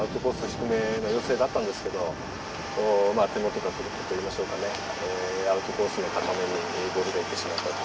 低めの要請だったんですけどまあ手元が狂ったといいましょうかねアウトコースの高めにいいボールが行ってしまったと。